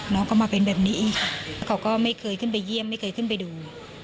น้องก็มาเป็นแบบนี้อีกแล้วเขาก็ไม่เคยขึ้นไปเยี่ยมไม่เคยขึ้นไปดู